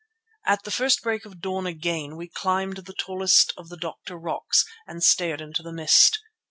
At the first break of dawn again we climbed the tallest of the "Doctor" rocks and stared into the mist.